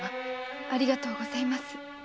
ありがとうございます。